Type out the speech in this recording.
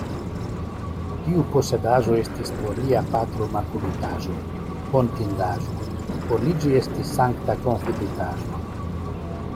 Tiu posedaĵo estis por lia patro makulitaĵo, hontindaĵo; por li ĝi estis sankta konfiditaĵo.